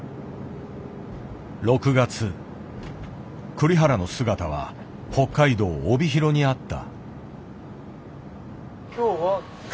栗原の姿は北海道帯広にあった。